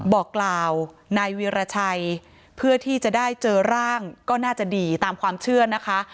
บอกกล่าวนายวีรชัยเพื่อที่จะได้เจอร่างก็น่าจะดีตามความเชื่อนะคะ